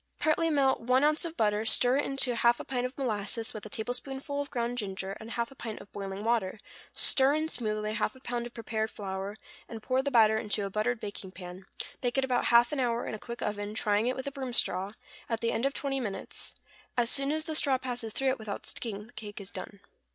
= Partly melt one ounce of butter, stir it into half a pint of molasses, with a tablespoonful of ground ginger, and half a pint of boiling water, stir in smoothly half a pound of prepared flour, and pour the batter into a buttered baking pan; bake it about half an hour in a quick oven, trying it with a broom straw, at the end of twenty minutes; as soon as the straw passes through it without sticking, the cake is done.